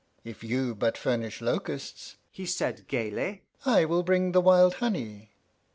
"If you but furnish locusts," he said gaily, "I will bring the wild honey....